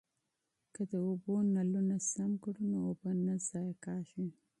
که د اوبو نلونه سم کړو نو اوبه نه ضایع کیږي.